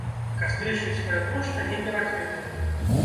Кастрычніцкая плошча не перакрытая.